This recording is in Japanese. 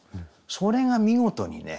それが見事にね